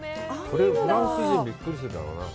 これ、フランス人、びっくりするだろうな。